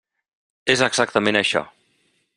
És exactament això.